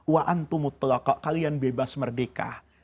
wa'antumu tlaqa kalian bebas merdeka